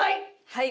はい！